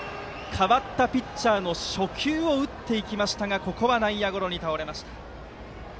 代わったピッチャーの初球を打ちましたがここは内野ゴロに倒れました。